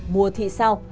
mùa thị sao